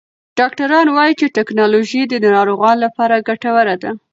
ډاکټران وایې چې ټکنالوژي د ناروغانو لپاره ګټوره ده.